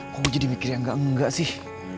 kok gue jadi mikir yang gak enggak sih